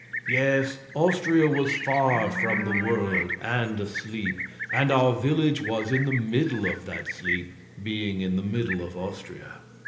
Yes, Austria was far from the world, and asleep, and our village was in the middle of that sleep, being in the middle of Austria.